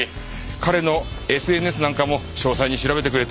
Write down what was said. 彼のＳＮＳなんかも詳細に調べてくれて。